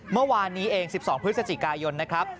เมื่อวานนี้เอง๑๒พฤศจิกายนนะครับ